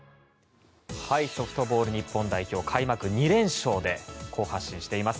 ソフトボール日本代表開幕２連勝で好発進しています。